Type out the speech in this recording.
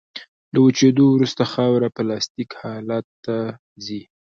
له وچېدو وروسته خاوره پلاستیک حالت ته ځي